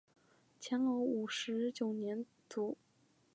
乾隆五十九年卒。